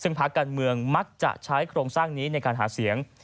ซึ่งภาคการเมืองมักจะใช้โครงสร้างนี้ในการหาเสียง